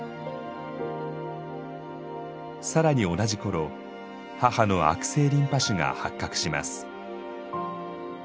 更に同じ頃母の悪性リンパ腫が発覚します。